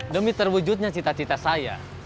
demi terwujudnya cita cita saya